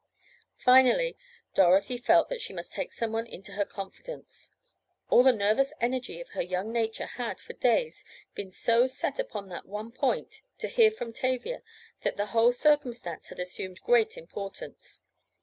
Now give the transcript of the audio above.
Finally, Dorothy felt that she must take some one into her confidence. All the nervous energy of her young nature had, for days, been so set upon that one point—to hear from Tavia—that the whole circumstance had assumed great importance.